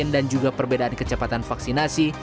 dan juga perbedaan kecepatan vaksinasi